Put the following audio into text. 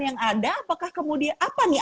yang ada apakah kemudian apa nih